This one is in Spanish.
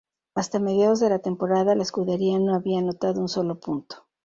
Hasta mediados de la temporada, la escudería no había anotado un solo punto.